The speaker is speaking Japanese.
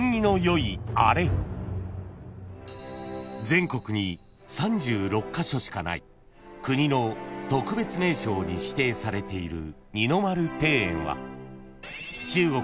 ［全国に３６カ所しかない国の特別名勝に指定されている］